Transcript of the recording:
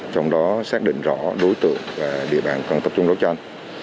trong đó xác định rõ đối tượng và địa bàn không tập trung đấu tranh